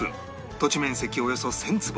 土地面積およそ１０００坪